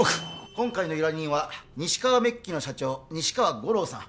今回の依頼人はニシカワメッキの社長西川五郎さん